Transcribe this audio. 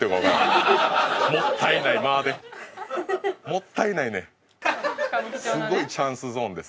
もったいない間で。